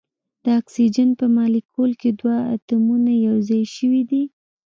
د اکسیجن په مالیکول کې دوه اتومونه یو ځای شوي دي.